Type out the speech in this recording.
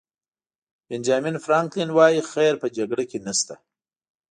بنجامین فرانکلن وایي خیر په جګړه کې نشته.